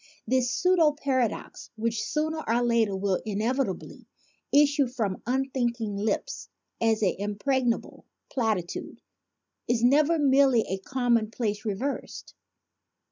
This pseudo paradox, which sooner or later will inevitably issue from unthinking lips as an impregnable platitude, is never merely a commonplace reversed.